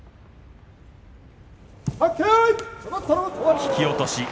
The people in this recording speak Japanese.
引き落とし。